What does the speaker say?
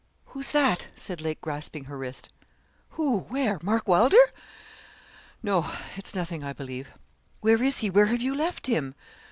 Who's that?' said Lake, grasping her wrist. 'Who where Mark Wylder?' 'No; it's nothing, I believe.' 'Where is he? Where have you left him?'